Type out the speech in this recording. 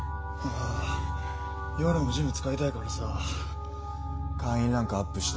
ああ夜もジム使いたいからさぁ会員ランクアップした。